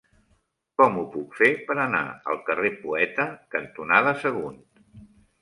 Com ho puc fer per anar al carrer Poeta cantonada Sagunt?